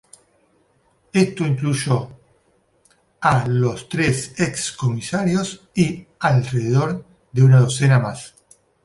Esto incluyó a los tres ex comisionados y alrededor de una docena más.